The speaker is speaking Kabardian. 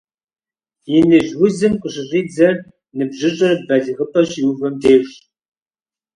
Иныжь узым къыщыщӀидзэр ныбжьыщӀэр балигъыпӀэ щиувэм дежщ.